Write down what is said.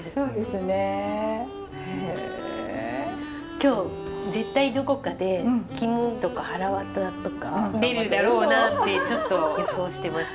今日絶対どこかで肝とかはらわたとか出るだろうなってちょっと予想してました。